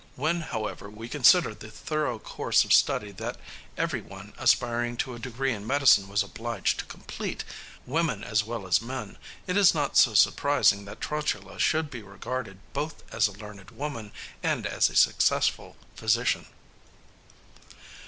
When, however, we consider the thorough course of study that every one aspiring to a degree in medicine was obliged to complete, women as well as men, it is not so surprising that Trotula should be regarded both as a learned woman and as a successful physician.